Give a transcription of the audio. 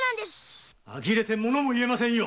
あきれてモノも言えませんよ。